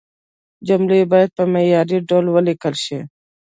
جملې باید په معياري ډول ولیکل شي.